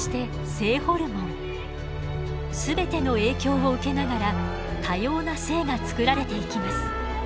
全ての影響を受けながら多様な性が作られていきます。